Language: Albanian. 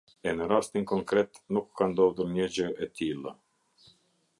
E në rastin konkret nuk ka ndodhur një gjë e tillë.